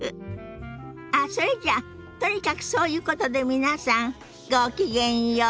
あっそれじゃとにかくそういうことで皆さんごきげんよう。